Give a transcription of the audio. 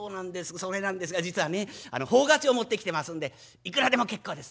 それなんですが実はね奉加帳を持ってきてますんでいくらでも結構です。